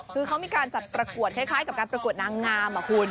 คือเขามีการจัดประกวดคล้ายกับการประกวดนางงามคุณ